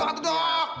oh bagus deh aku